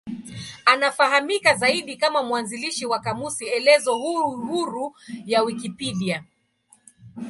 Anafahamika zaidi kama mwanzilishi wa kamusi elezo huru ya Wikipedia.